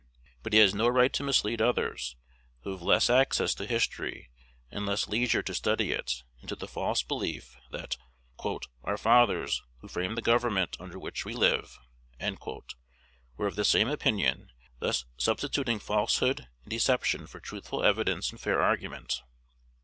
But he has no right to mislead others, who have less access to history and less leisure to study it, into the false belief that "our fathers, who framed the government under which we live," were of the same opinion, thus substituting falsehood and deception for truthful evidence and fair argument.